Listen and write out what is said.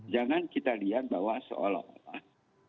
jangan kita lihat bahwa seolah olah